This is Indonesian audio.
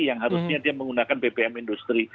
seharusnya dia menggunakan bbm industri